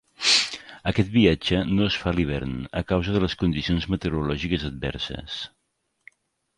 Aquest viatge no es fa a l'hivern a causa de les condicions meteorològiques adverses.